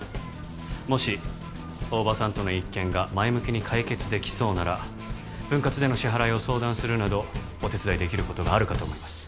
もし大庭さんとの一件が前向きに解決できそうなら分割での支払いを相談するなどお手伝いできることがあるかと思います